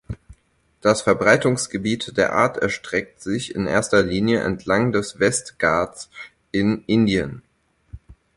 Das Verbreitungsgebiet der Art erstreckt sich in erster Linie entlang der Westghats in Indien.